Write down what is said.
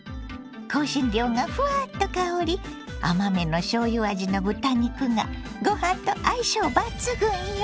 香辛料がフワッと香り甘めのしょうゆ味の豚肉がご飯と相性抜群よ！